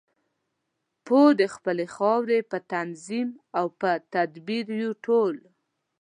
پوه د خپلې خاورې په تنظیم او په تدبیر یو ټول.